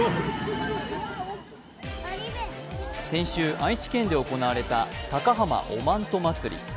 先週、愛知県で行われた高浜おまんと祭り。